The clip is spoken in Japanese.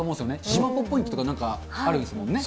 しまぽポイントとか、なんかあるんですもんね。